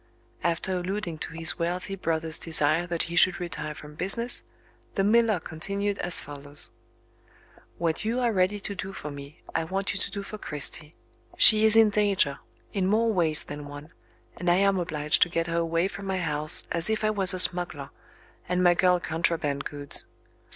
After alluding to his wealthy brother's desire that he should retire from business, the miller continued as follows: "What you are ready to do for me, I want you to do for Cristy. She is in danger, in more ways than one, and I am obliged to get her away from my house as if I was a smuggler, and my girl contraband goods.